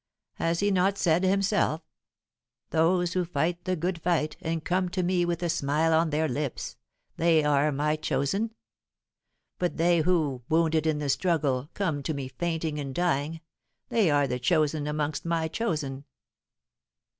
Has he not said himself, 'Those who fight the good fight and come to me with a smile on their lips, they are my chosen; but they who, wounded in the struggle, come to me fainting and dying, they are the chosen amongst my chosen!'